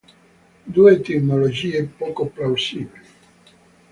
Due etimologie poco plausibili.